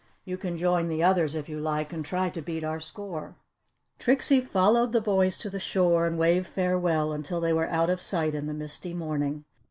You can join the others if you like and try to beat our score." Trixie followed the boys to the shore and waved farewell until they were out of sight in the misty morning.